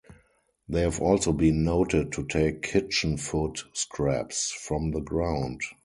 They have also been noted to take kitchen food scraps from the ground.